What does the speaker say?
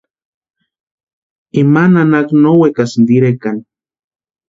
Ima nanaka no wekasïnti irekani.